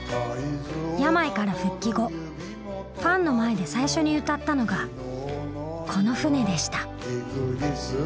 病から復帰後ファンの前で最初に歌ったのがこの船でした。